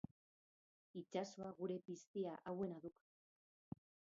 Itsasoa gure piztia hauena duk.